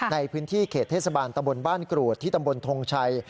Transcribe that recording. ในพื้นที่เขตเทศบาลตะบนบ้านกรูดที่ตำบลทงชัย